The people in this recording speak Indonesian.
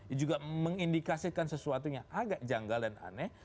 ini juga mengindikasikan sesuatu yang agak janggal dan aneh